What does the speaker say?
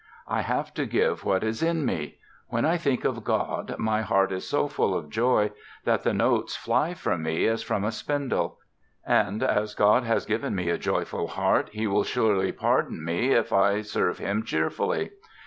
"I have to give what is in me! When I think of God, my heart is so full of joy that the notes fly from me as from a spindle. And as God has given me a joyful heart He will surely pardon me if I serve Him cheerfully!"